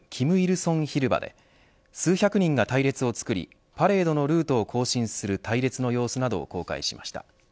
成広場で数百人が隊列をつくりパレードのルートを行進する隊列の様子などを公開しました。